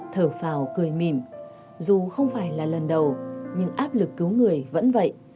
thở phào cười mỉm dù không phải là lần đầu nhưng áp lực cứu người vẫn vậy